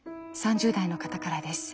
３０代の方からです。